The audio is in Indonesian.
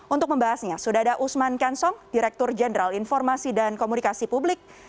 untuk membahasnya sudah ada usman kansong direktur jenderal informasi dan komunikasi publik